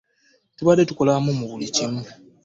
Tubadde tukolera wamu mu buli kimu.